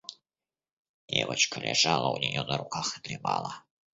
Девочка лежала у нее на руках и дремала.